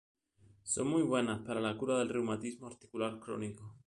Son muy buenas para la cura del reumatismo articular crónico.